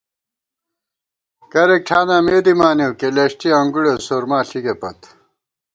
کرېک ٹھاناں مے دِمانېؤ، کېلېݭٹی انگُڑے سرما ݪِکےپت